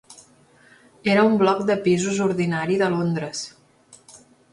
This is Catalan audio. Era un bloc de pisos ordinari de Londres.